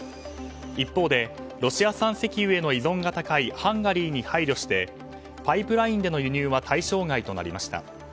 一方で、ロシア産石油への依存が高いハンガリーに配慮してパイプラインでの輸入は対象外となりました。